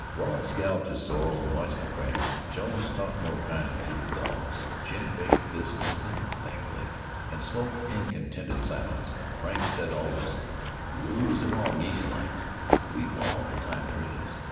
Wallace galloped his sorrel and watched the crags; Jones talked more kindly to the dogs; Jim baked biscuits indefatigably, and smoked in contented silence; Frank said always: "We'll ooze along easy like, for we've all the time there is."